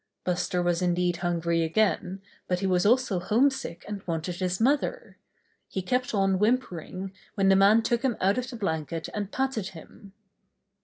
Buster was indeed hungry again, but he was also homesick and wanted his mother. He kept on whimpering when the man took him out of the blanket and patted him.